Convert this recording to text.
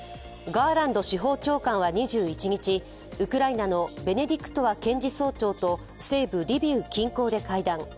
ガーランド司法長官は２１日ウクライナのベネディクトワ検事総長と西部リビウ近郊で会談。